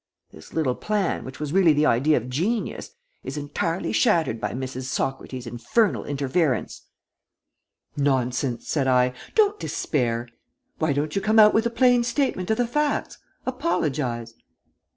This little plan, which was really the idea of genius, is entirely shattered by Mrs. Socrates's infernal interference." "Nonsense," said I. "Don't despair. Why don't you come out with a plain statement of the facts? Apologize."